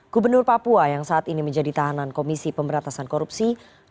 gubernur papua yang saat ini menjadi tahanan komisi pemberantasan korupsi